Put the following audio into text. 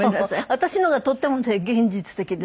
私の方がとっても現実的です。